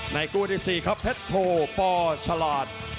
ในกู้ที่สี่ครับเพชรโทปอร์ชาลาธ